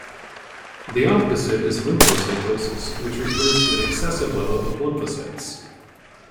The opposite is lymphocytosis, which refers to an excessive level of lymphocytes.